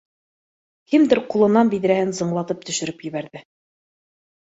Кемдер ҡулынан биҙрәһен зыңлатып төшөрөп ебәрҙе